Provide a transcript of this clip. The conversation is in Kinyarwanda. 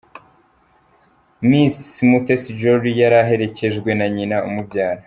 Miss Mutesi Jolly, yari aherekejwe na nyina umubyara.